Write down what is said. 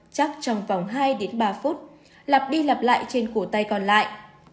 chắc trong vòng hai đến ba phút lặp đi lặp lại trên cổ tay còn lại